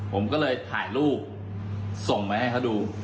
ผมก็เลยถ่ายรูปส่งมาให้เขาดู